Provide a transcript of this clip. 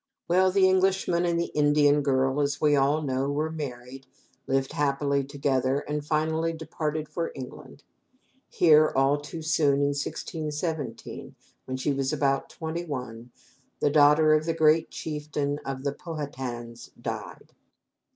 Well, the Englishman and the Indian girl, as we all know, were married, lived happily together, and finally departed for England. Here, all too soon, in 1617, when she was about twenty one, the daughter of the great chieftain of the Pow ha tans died.